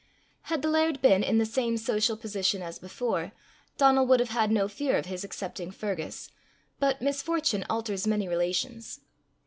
Had the laird been in the same social position as before, Donal would have had no fear of his accepting Fergus; but misfortune alters many relations.